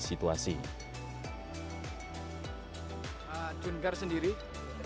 terjun penyegaran ini juga berbagai situasi